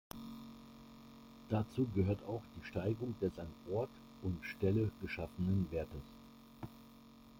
Dazu gehört auch die Steigerung des an Ort und Stelle geschaffenen Wertes.